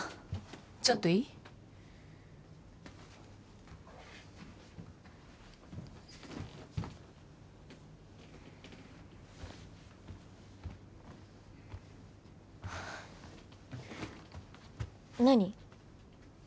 ちょっといい？何？